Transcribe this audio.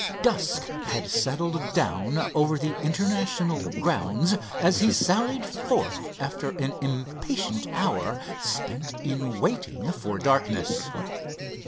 Dusk had settled down over the International grounds as he sallied forth after an impatient hour spent in waiting for darkness.